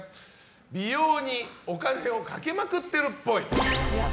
美容にお金をかけまくってるっぽい。